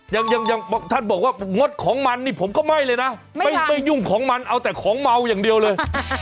ยังท่านบอกว่างดของมันนี่ผมก็ไม่เลยนะไม่ยุ่งของมันเอาแต่ของเมาอย่างเดียวเลย